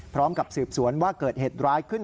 พร้อมกับสืบสวนว่าเกิดเหตุร้ายขึ้น